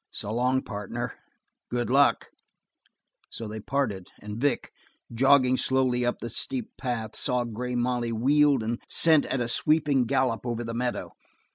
"S'long, partner. Good luck." So they parted and Vic, jogging slowly up the steep path, saw Grey Molly wheeled and sent at a sweeping gallop over the meadow.